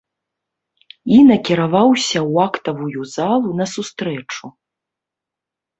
І накіраваўся ў актавую залу на сустрэчу.